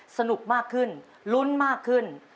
สนุกมากขึ้นลุ้นมากขึ้น